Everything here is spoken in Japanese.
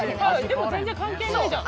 でも全然関係ないじゃん。